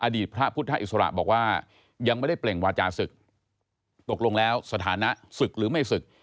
อดีตพระพุทธอิสระบอกว่ายังไม่ได้เปล่งวาจาศึกตกลงแล้วสถานะศึกหรือไม่ศึก